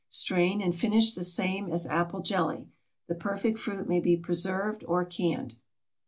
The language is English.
Strain and finish the same as apple jelly. The perfect fruit may be preserved or canned.